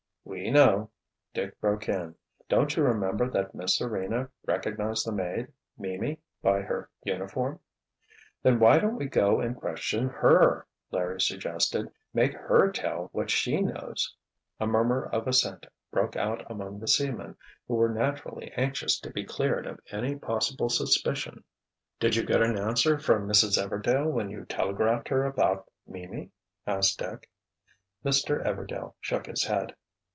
"We know," Dick broke in. "Don't you remember that Miss Serena recognized the maid—Mimi—by her uniform?" "Then why don't we go and question her?" Larry suggested. "Make her tell what she knows!" A murmur of assent broke out among the seamen who were naturally anxious to be cleared of any possible suspicion. "Did you get an answer from Mrs. Everdail when you telegraphed her about Mimi?" asked Dick. Mr. Everdail shook his head.